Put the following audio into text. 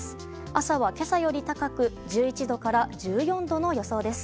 朝は今朝より高く１１度から１４度の予想です。